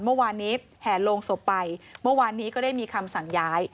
เมื่อวานนี้แห่โลงศพไปเมื่อวานนี้ก็ได้มีคำสั่งย้าย